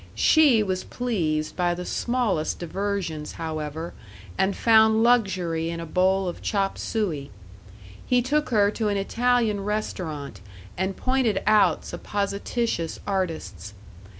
She was pleased by the smallest diversions, however, and found luxury in a bowl of chop suey. He took her to an Italian restaurant and pointed out supposititious artists.